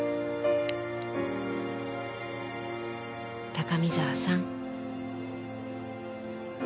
高見沢さん。